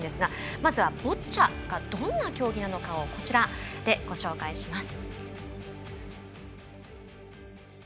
まずはボッチャがどんな競技かこちらでご紹介します。